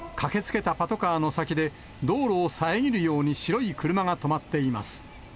駆けつけたパトカーの先で道路を遮るように白い車が止まっています。